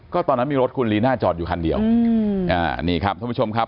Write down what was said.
ก็ตอนนั้นมีรถคุณลีน่าจอดอยู่คันเดียวอืมอ่านี่ครับท่านผู้ชมครับ